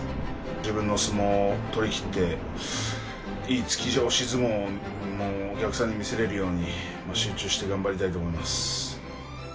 自分の相撲を取りきっていい突き押し相撲もお客さんに見せれるように集中して頑張りたいと思います。